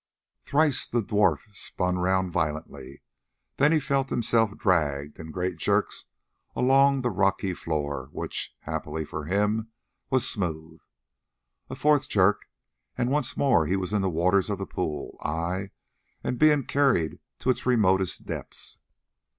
Thrice the dwarf spun round violently, then he felt himself dragged in great jerks along the rocky floor, which, happily for him, was smooth. A fourth jerk, and once more he was in the waters of the pool, ay, and being carried to its remotest depths.